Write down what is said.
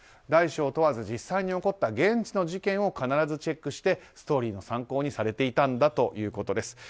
大小問わず、実際に起こった現地の事件を必ずチェックしてストーリーの参考にされていたんだということです。